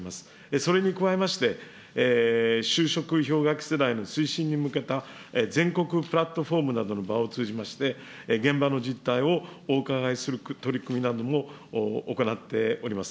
それに加えまして、就職氷河期世代の推進に向けた、全国プラットフォームなどの場を通じまして、現場の実態をお伺いする取り組みなども行っております。